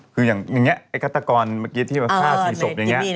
คืออย่างนี้กรรตกรเมื่อกี้ที่ข้าสีศพ